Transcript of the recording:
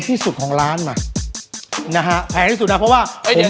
ที่สุดของร้านมานะฮะแพงที่สุดนะเพราะว่าเฮ้ยเดี๋ยว